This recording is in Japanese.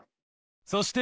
そして。